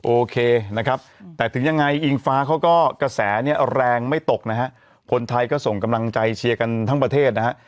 โอเคนะครับแต่ถึงยังไงอิงฟ้าเขาก็กระแสเนี่ยแรงไม่ตกนะฮะคนไทยก็ส่งกำลังใจเชียร์กันทั้งประเทศนะฮะ